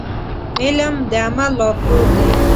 علم د عمل لارښود دی.